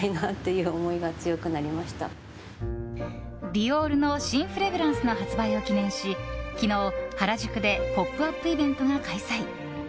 ディオールの新フレグランスの発売を記念し昨日、原宿でポップアップイベントが開催。